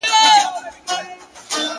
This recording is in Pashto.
كه د زور تورو وهل د چا سرونه.!